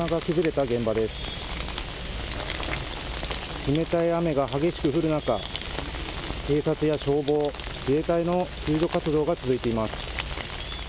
冷たい雨が激しく降る中、警察や消防、自衛隊の救助活動が続いています。